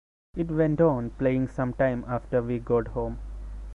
It went on playing some time after we got home.